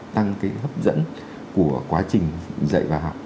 tăng cái hấp dẫn của quá trình dạy và học